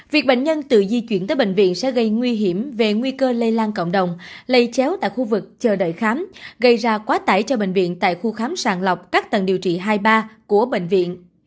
việc bệnh nhân tự di chuyển tới bệnh viện sẽ gây nguy hiểm về nguy cơ lây lan cộng đồng lây chéo tại khu vực chờ đợi khám gây ra quá tải cho bệnh viện tại khu khám sàng lọc các tầng điều trị hai ba của bệnh viện